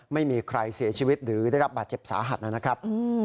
ไม่มีใครเสียชีวิตหรือได้รับบาดเจ็บสาหัสนะครับ